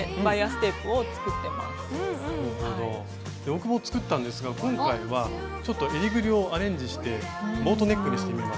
僕も作ったんですが今回はちょっとえりぐりをアレンジしてボートネックにしてみました。